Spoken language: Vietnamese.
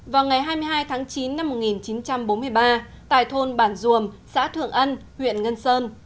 vào ngày hai mươi hai tháng chín năm một nghìn chín trăm bốn mươi ba tại thôn bản duồm xã thượng ân huyện ngân sơn